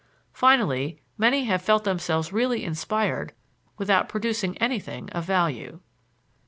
Finally, many have felt themselves really inspired without producing anything of value.